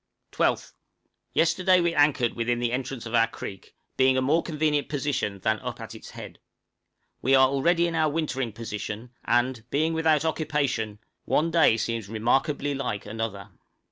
12th. Yesterday we anchored within the entrance of our creek, being a more convenient position than up at its head. We are already in our wintering position, and, being without occupation, one day seems most remarkably like another!